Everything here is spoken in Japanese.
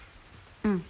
うん。